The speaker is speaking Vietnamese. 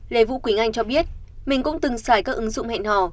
lê vũ quỳnh anh cho biết mình cũng từng xài các ứng dụng hẹn hò